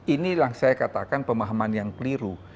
ini yang saya katakan pemahaman yang keliru